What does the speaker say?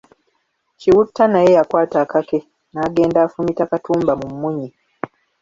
Kiwutta naye yakwata akake n’agenda afumita Katumba mu munnye.